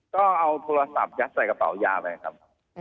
ก็เอาโทรศัพท์ยัดใส่กระเป๋ายาไปครับ